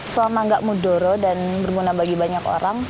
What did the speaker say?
selama gak mudoro dan berguna bagi banyak orang